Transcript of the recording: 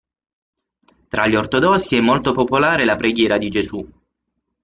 Tra gli ortodossi è molto popolare la preghiera di Gesù.